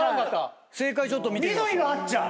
正解ちょっと見てみましょう。